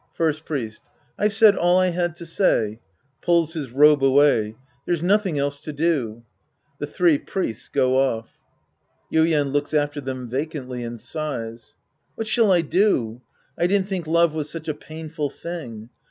First Priest. I've said all I had to say. {Pulls his robe awaj/.) There's nothing else to do. {TAe three Priests go off.) Yuien {looks after them vacantly and sighs). What shall I do ? I didn't think love was such a painful thing.